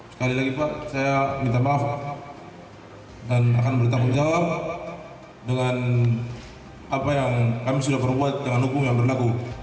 sekali lagi pak saya minta maaf dan akan bertanggung jawab dengan apa yang kami sudah berbuat dengan hukum yang berlaku